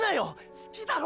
好きだろ？